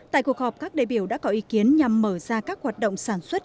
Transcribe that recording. tại cuộc họp các đại biểu đã có ý kiến nhằm mở ra các hoạt động sản xuất